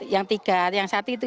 yang tiga yang satu itu